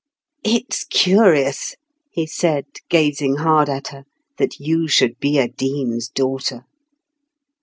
"It's curious," he said, gazing hard at her, "that you should be a dean's daughter."